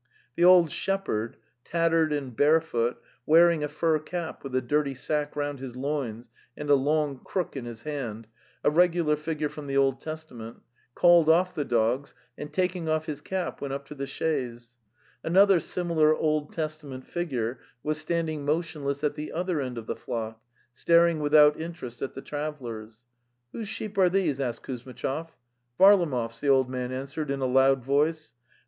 "' The old shepherd, tattered and barefoot, wearing a fur cap, with a dirty sack round his loins and a long crook in his hand —a regular figure from the Old Testament — called off the dogs, and taking off his cap, went up to the chaise. Another similar Old Testament figure was standing motionless at the other end of the flock, staring without interest at the travellers. '* Whose sheep are these? '' asked Kuzmitchov. '" Varlamov's," the old man answered in a loud voice.